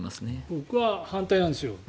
僕は反対なんですよ。